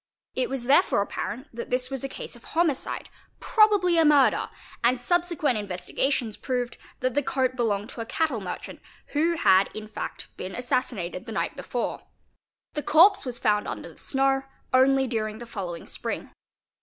It was therefore apparent that this was a case of homicide, probably a murder, and subsequent investigations proved that the coat belonged to a cattle merchant who had in fact been assassinated the night before. The corpse was found under the snow only during the following spring.